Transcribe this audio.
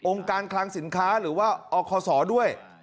การคลังสินค้าหรือว่าอคศด้วย